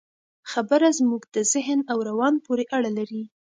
خبره زموږ د ذهن او روان پورې اړه لري.